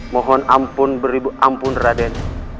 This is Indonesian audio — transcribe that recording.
mohon ampun beribu ampun raden